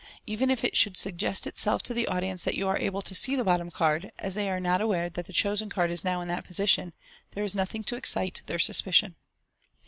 Even if it should suggest itself to the audience that you are able to see the oottom card, as they are not aware that the chosen card is now in that position, there is nothing to excite their suspicion.